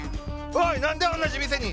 おい何で同じ店に！